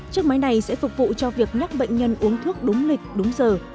chiếc máy này sẽ phục vụ cho việc nhắc bệnh nhân uống thuốc đúng lịch đúng giờ